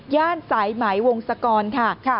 ย่านสายไหมวงสกรค่ะ